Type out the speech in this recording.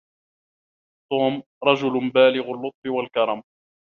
توم رجل بالغ اللطف والكرم.